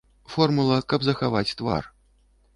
Формула, каб захаваць твар.